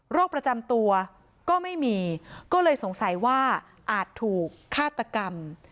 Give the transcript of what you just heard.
ประจำตัวก็ไม่มีก็เลยสงสัยว่าอาจถูกฆาตกรรม